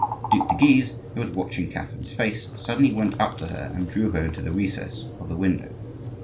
The Duc de Guise, who was watching Catherine's face, suddenly went up to her and drew her into the recess of the window.